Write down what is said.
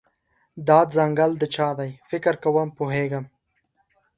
دا ځنګل د چا دی، فکر کوم پوهیږم